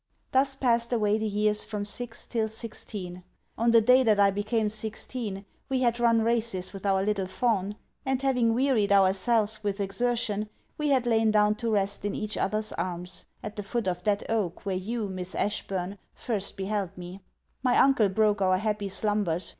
Thus passed away the years from six till sixteen. On the day that I became sixteen, we had run races with our little fawn; and, having wearied ourselves with exertion, we had lain down to rest in each other's arms, at the foot of that oak where you, Miss Ashburn, first beheld me. My uncle broke our happy slumbers.